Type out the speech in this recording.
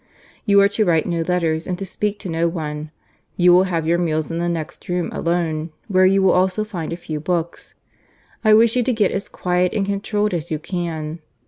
You are to write no letters, and to speak to no one. You will have your meals in the next room alone, where you will also find a few books. I wish you to get as quiet and controlled as you can.